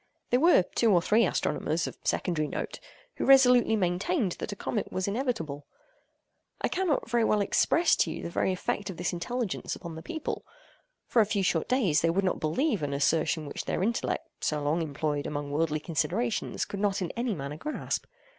There were two or three astronomers, of secondary note, who resolutely maintained that a contact was inevitable. I cannot very well express to you the effect of this intelligence upon the people. For a few short days they would not believe an assertion which their intellect so long employed among worldly considerations could not in any manner grasp.